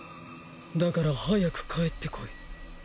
だから早く帰ってこい。